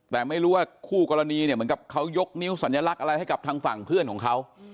แต่ไม่รู้ว่าคู่กรณีเนี่ยเหมือนกับเขายกนิ้วสัญลักษณ์อะไรให้กับทางฝั่งเพื่อนของเขา